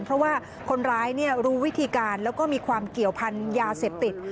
เพราะว่าคนร้ายรู้วิธีการแล้วก็มีความเกี่ยวพันธ์ยาเสพติด